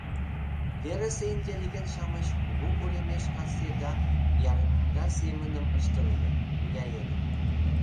Верысе интеллигент-шамыч кугу уремеш кас еда ярмиҥга семыным ыштылыныт, гуляеныт.